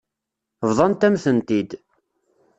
Bḍant-am-tent-id.